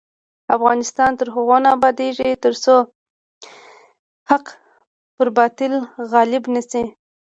افغانستان تر هغو نه ابادیږي، ترڅو حق پر باطل غالب نشي.